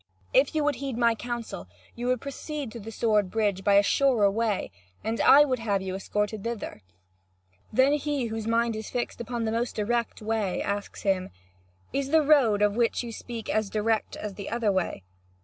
If you would heed my counsel, you would proceed to the sword bridge by a surer way, and I would have you escorted thither." Then he, whose mind is fixed upon the most direct way, asks him: "Is the road of which you speak as direct as the other way?"